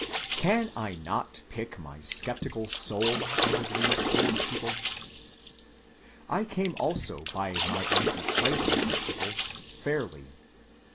8 MONCURE DANIEL CONWAY Can I not pick my sceptical soul oat of these old people ? I came also by my antislavery principles fairly.